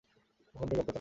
ভূখণ্ডের বক্রতার ফলে।